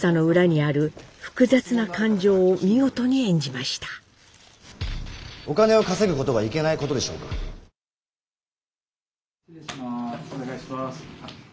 あお願いします。